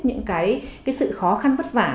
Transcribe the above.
những sự khó khăn bất vả